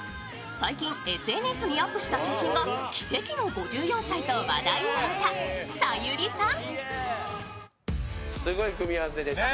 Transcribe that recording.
最近、ＳＮＳにアップした写真が奇跡の５４歳と話題になったさゆりさん。